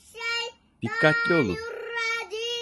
Dikkatli olun!